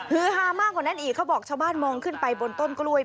ฮามากกว่านั้นอีกเขาบอกชาวบ้านมองขึ้นไปบนต้นกล้วย